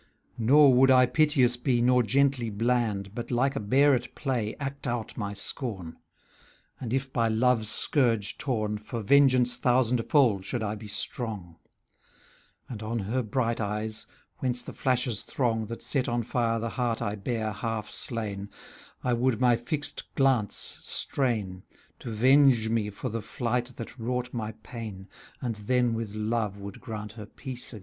^ Nor would I piteous be, nor gently bland. But, like a bear at play, act out my scorn; And if by Love's scourge torn, For vengeance thousand fold should I be strong ; And on her bright eyes, whence the flashes throng ^ That set on fire the heart I bear half slain, I would my fixed glance strain, To 'venge me for the flight that wrought my pain. And then with Love would grant her peace again.